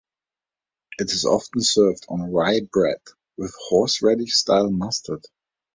It is often served on rye bread with horseradish-style mustard.